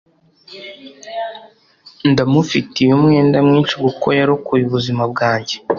Ndamufitiye umwenda mwinshi kuko yarokoye ubuzima bwanjye.